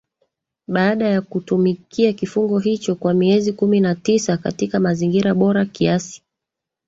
baada ya kutumikia kifungo hicho kwa miezi kumi na tisa katika mazingira bora kiasi